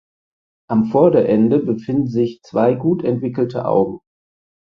Am Vorderende befinden sich zwei gut entwickelte Augen.